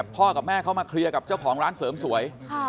พ่อกับแม่เขามาเคลียร์กับเจ้าของร้านเสริมสวย